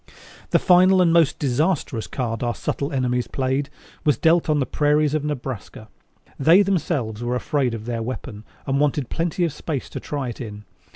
The final and most disastrous card our subtle enemies played was dealt on the prairies in Nebraska. They themselves were afraid of their weapon and wanted plenty of space to try it in.